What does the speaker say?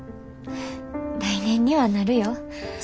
来年にはなるよ。